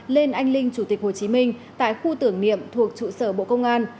lên anh linh chủ tịch hồ chí minh tại khu tưởng niệm thuộc trụ sở bộ công an